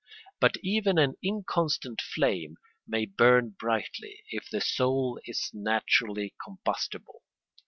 But even an inconstant flame may burn brightly, if the soul is naturally combustible.